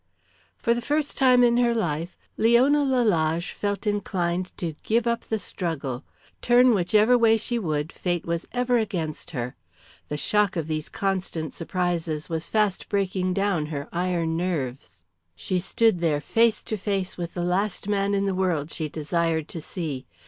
For the first time in her life Leona Lalage felt inclined to give up the struggle. Turn whichever way she would fate was ever against her. The shock of these constant surprises was fast breaking down her iron nerves. She stood there face to face with the last man in the world she desired to see.